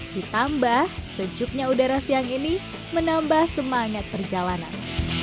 ditambah sejuknya udara siang ini menambah semangat perjalanan